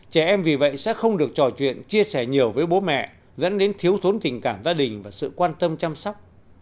trẻ em vì vậy sẽ không được trò chuyện chia sẻ nhiều với bố mẹ dẫn đến thiếu thốn tình cảm gia đình và sự quan tâm chăm sóc